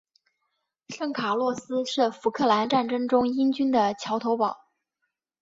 圣卡洛斯是福克兰战争中英军的桥头堡。